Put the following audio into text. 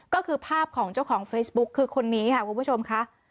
ก็คือภาพของเจ้าของเฟซบุ๊คคือคนนี้ค่ะคุณผู้ชมค่ะ